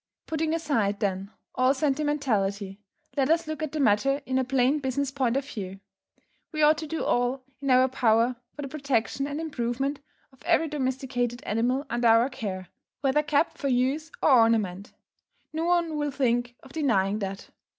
Putting aside, then, all sentimentality, let us look at the matter in a plain business point of view. We ought to do all in our power for the protection and improvement, of every domesticated animal under our care, whether kept for use or ornament; no one will think of denying that.